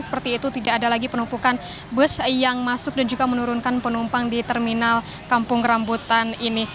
seperti itu tidak ada lagi penumpukan bus yang masuk dan juga menurunkan penumpang di terminal kampung rambutan ini